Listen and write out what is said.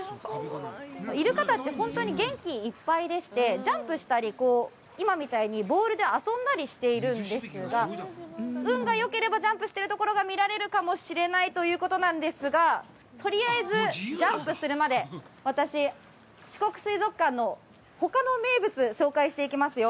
イルカたち、本当に元気いっぱいでして、ジャンプしたり、今みたいにボールで遊んだりしているんですが、運がよければジャンプしてるところが見られるかもしれないということなんですが、とりあえずジャンプするまで、私、四国水族館のほかの名物、紹介していきますよ。